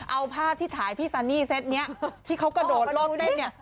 เอาภาพที่ถ่ายพี่ซันนี่เซ็ตนี้ที่เขากระโดดโลดเต้นเนี่ย